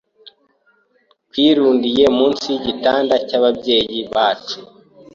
twirundiye munsi y’igitanda cy’ababyeyi bacu